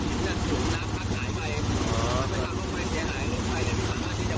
อาจจะ๒วันเพราะว่าต้องดูด้วยวันนี้ค่ะ